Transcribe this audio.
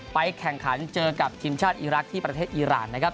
ไปแข่งขันเจอกับทีมชาติอีรักชาติที่ประเทศอีราน